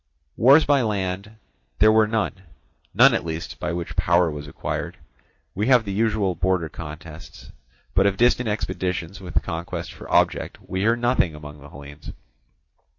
Wars by land there were none, none at least by which power was acquired; we have the usual border contests, but of distant expeditions with conquest for object we hear nothing among the Hellenes.